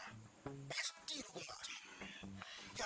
aku mau beliin adik adik makanan yang enak